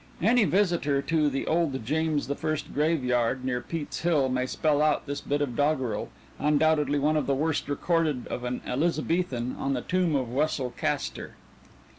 _" Any visitor to the old James the First graveyard near Peat's Hill may spell out this bit of doggerel, undoubtedly one of the worst recorded of an Elizabethan, on the tomb of Wessel Caster.